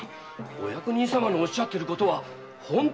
お役人様のおっしゃることは本当なのかね？